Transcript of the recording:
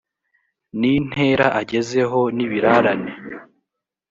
n intera agezeho n ibirarane